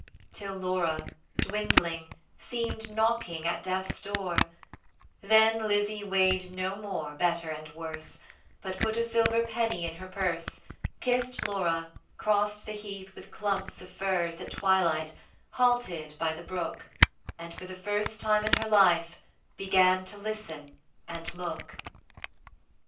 Till Laura, dwindling, Seemed knocking at Death's door: Then Lizzie weighed no more Better and worse, But put a silver penny in her purse, Kissed Laura, crossed the heath with clumps of furze At twilight, halted by the brook; And for the first time in her life Began to listen and look.